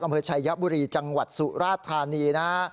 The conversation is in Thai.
อำเภอชายบุรีจังหวัดสุราชธานีนะฮะ